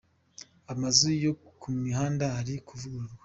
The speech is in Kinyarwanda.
Amazu yo ku mihanda ari kuvugururwa.